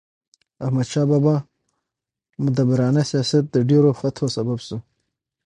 احمدشاه بابا مدبرانه سیاست د ډیرو فتحو سبب سو.